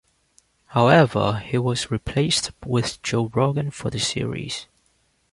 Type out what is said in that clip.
However, he was replaced with Joe Rogan for the series.